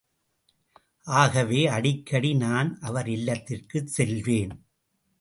ஆகவே அடிக்கடி நான் அவர் இல்லத்திற்குச் செல்வேன்.